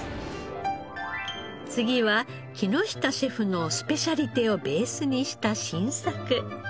次は木下シェフのスペシャリテをベースにした新作。